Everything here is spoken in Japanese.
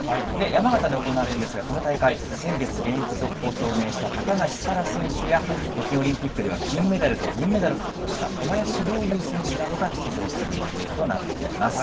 山形で行われるんですが、この大会、先月現役続行を表明した高梨沙羅選手や、北京オリンピックでは金メダルと銀メダルを獲得した小林陵侑選手などが出場する予定となっています。